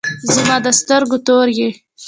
زما د سترګو تور یی